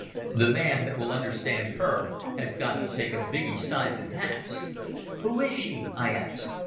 The man that will understand her has got to take a biggish size in hats." "Who is she?" I asked.